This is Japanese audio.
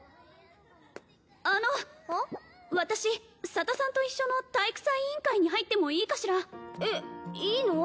佐田さんと一緒の体育祭委員会に入ってもいいかしらえっいいの？